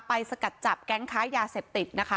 สกัดจับแก๊งค้ายาเสพติดนะคะ